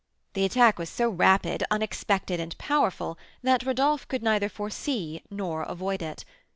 The attack was so rapid, unexpected, and powerful, that Rodolph could neither foresee nor avoid it.